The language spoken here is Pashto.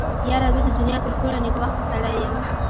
يره زه د دونيا تر ټولو نېکبخته سړی يم.